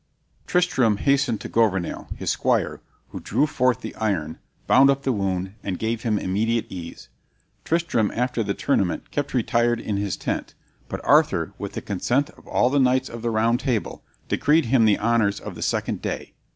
Tristram hastened to Gouvernail, his squire, who drew forth the iron, bound up the wound, and gave him immediate ease. Tristram after the tournament kept retired in his tent, but Arthur, with the consent of all the knights of the Round Table, decreed him the honors of the second day.